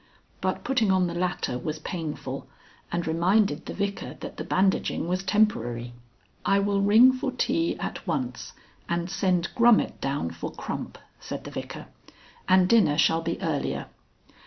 But putting on the latter was painful, and reminded the Vicar that the bandaging was temporary. "I will ring for tea at once, and send Grummet down for Crump," said the Vicar. "And dinner shall be earlier."